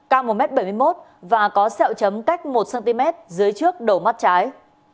cao một m bảy mươi một và có sẹo chấm cách một cm dưới trước đầu mắt trái